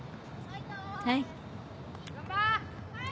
はい。